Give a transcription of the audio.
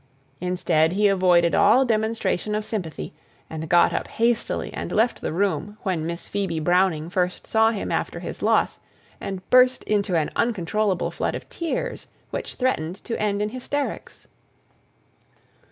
Indeed, he avoided all demonstrations of sympathy, and got up hastily and left the room when Miss Phoebe Browning first saw him after his loss, and burst into an uncontrollable flood of tears, which threatened to end in hysterics.